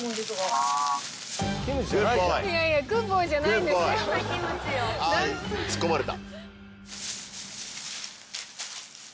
ああ突っ込まれた。